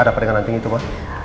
ada apa dengan anting itu ma